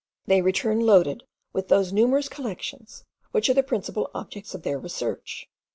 They return loaded with those numerous collections, which are the principal objects of their research.